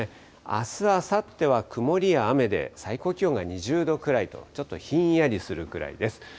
あす、あさっては曇りや雨で、最高気温が２０度くらいと、ちょっとひんやりするくらいです。